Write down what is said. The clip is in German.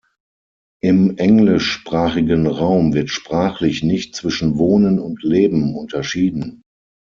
Im englischsprachigen Raum wird sprachlich nicht zwischen „wohnen“ und „leben“ unterschieden.